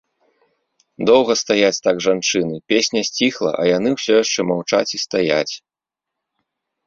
Доўга стаяць так жанчыны, песня сціхла, а яны ўсё яшчэ маўчаць і стаяць.